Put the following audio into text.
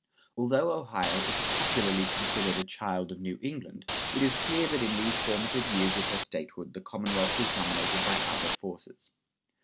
Although Ohio is popularly considered a child of New England, it is clear that in these formative years of her statehood the commonwealth was dominated by other forces.